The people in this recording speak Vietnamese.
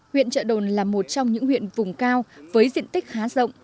huyện trợ đồn là một trong những huyện vùng cao với diện tích khá rộng